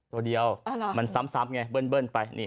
ตัวเดียวมันซ้ำไงเบิ้ลไป